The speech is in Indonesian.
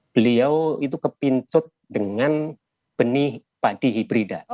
beliau itu kepincut dengan benih padi hibrida